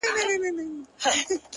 وړه خبره سوه ببره نور به نه درځمه.!